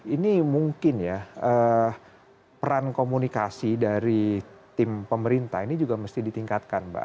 ini mungkin ya peran komunikasi dari tim pemerintah ini juga mesti ditingkatkan mbak